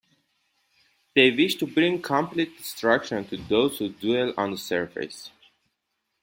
They wish to bring complete destruction to those who dwell on the surface.